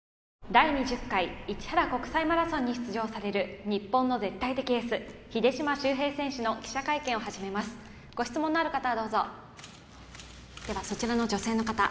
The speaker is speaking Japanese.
・第２０回市原国際マラソンに出場される日本の絶対的エース秀島修平選手の記者会見を始めますご質問のある方はどうぞではそちらの女性の方